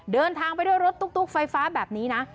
เดินทางไปด้วยรถตุ๊กไฟฟ้าแบบนี้นะ